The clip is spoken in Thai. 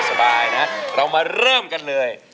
สบายนะเรามาเริ่มกันเลย